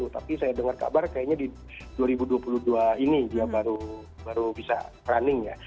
tapi saya dengar kabar kayaknya di dua ribu dua puluh dua ini dia baru bisa running ya